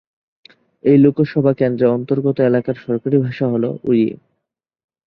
এই লোকসভা কেন্দ্রের অন্তর্গত এলাকার সরকারি ভাষা হল ওড়িয়া।